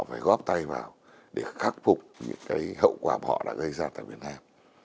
phải góp tay vào để khắc phục những cái hậu quả họ đã gây ra tại việt nam